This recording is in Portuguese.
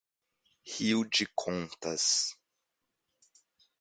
Rio de Contas